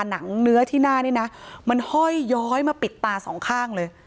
หนังเนื้อที่หน้านี่นะมันห้อยย้อยมาปิดตาสองข้างเลย